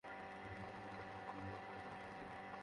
দাদী, এখনো আমি এমন কাউকে খুঁজে পাই নি, বুঝছো বারে?